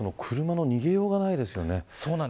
車の逃げようがないですよね。